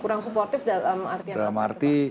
kurang suportif dalam arti apa